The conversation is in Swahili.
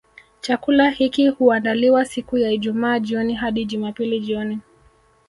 Chakula hiki huandaliwa siku ya Ijumaa jioni hadi Jumapili jioni